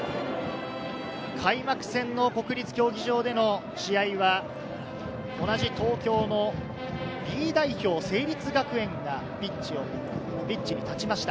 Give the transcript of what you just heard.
開幕戦の国立競技場での試合は、同じ東京のＢ代表・成立学園がピッチに立ちました。